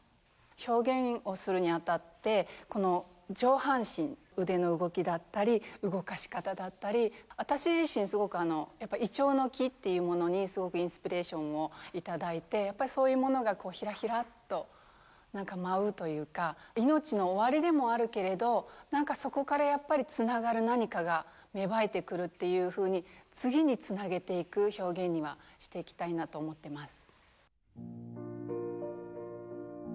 表現をするにあたってこの上半身腕の動きだったり動かし方だったり私自身すごくやっぱ銀杏の木っていうものにすごくインスピレーションを頂いてそういうものがこうひらひらっと舞うというかいのちの終わりでもあるけれどなんかそこからやっぱりつながる何かが芽生えてくるっていうふうに次につなげていく表現にはしていきたいなと思ってます。